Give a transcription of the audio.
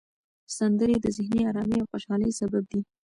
سندرې د ذهني آرامۍ او خوشحالۍ سبب دي.